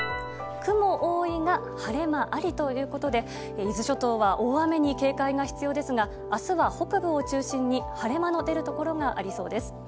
雲多いが、晴れ間ありということで伊豆諸島は大雨に警戒が必要ですが明日は北部を中心に晴れ間の出るところがありそうです。